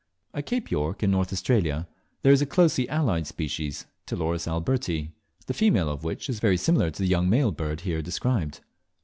At Cape York, in North Australia, there is a closely allied species, Ptiloris alberti, the female of which is very similar to the young male bird here described.